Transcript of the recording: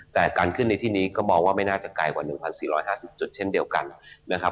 แต่การขึ้นในที่นี้ก็มองว่าไม่น่าจะไกลกว่า๑๔๕๐จุดเช่นเดียวกันนะครับ